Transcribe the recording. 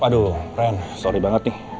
aduh keren sorry banget nih